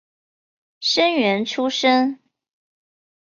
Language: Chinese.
生员出身。